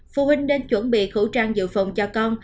phụ huynh nên chuẩn bị khẩu trang dự phòng cho con